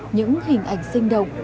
những hình ảnh sinh động